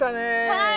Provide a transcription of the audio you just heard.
はい！